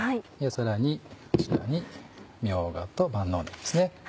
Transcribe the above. さらにこちらにみょうがと万能ねぎですね。